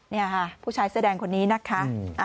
นี่ค่ะผู้ชายเสื้อแดงคนนี้นะคะ